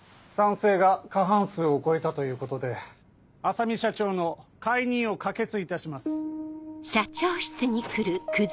賛成が過半数を超えたということで浅海社長の解任を可決いたします。